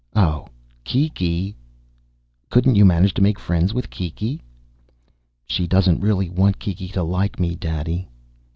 "Oh! Kiki!" "Couldn't you manage to make friends with Kiki?" "She doesn't really want Kiki to like me, Daddy."